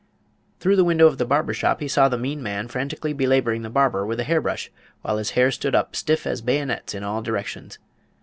Through the window of the barber shop he saw the "mean man" frantically belaboring the barber with a hair brush, while his hair stood up stiff as bayonets in all directions.